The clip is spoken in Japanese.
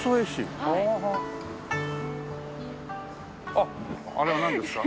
あっあれはなんですか？